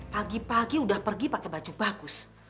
pagi pagi sudah pergi pakai baju bagus